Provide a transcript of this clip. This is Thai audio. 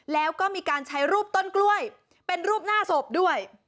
แล้วก็มีการใช้รูปต้นกล้วยเป็นรูปหน้าศพด้วย